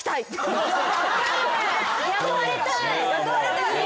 雇われたい。